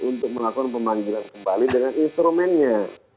untuk melakukan pemanggilan kembali dengan instrumennya